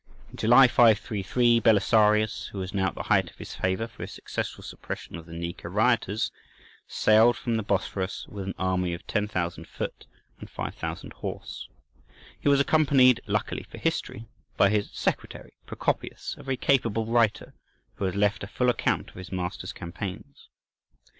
In July, 533, Belisarius, who was now at the height of his favour for his successful suppression of the "Nika" rioters, sailed from the Bosphorus with an army of 10,000 foot and 5,000 horse. He was accompanied, luckily for history, by his secretary, Procopius, a very capable writer, who has left a full account of his master's campaigns.